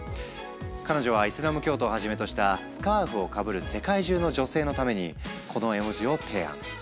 彼女はイスラム教徒をはじめとしたスカーフをかぶる世界中の女性のためにこの絵文字を提案。